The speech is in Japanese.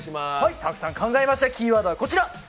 たくさん考えました、キーワードはこちら。